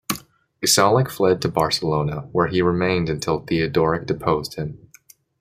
Gesalec fled to Barcelona, where he remained until Theodoric deposed him.